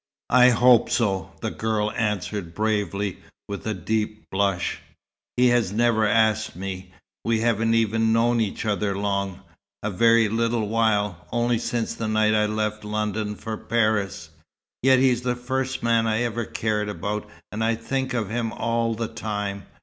"I hope so," the girl answered bravely, with a deep blush. "He has never asked me. We haven't known each other long a very little while, only since the night I left London for Paris. Yet he's the first man I ever cared about, and I think of him all the time.